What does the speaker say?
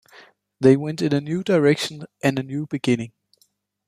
They went in a new direction and a new beginning.